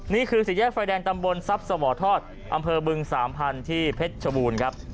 นี่คือสีแยกไฟแดงตำบลซับสวทอดอำเภอบึง๓๐๐๐ที่เพชรชบูรณ์ครับ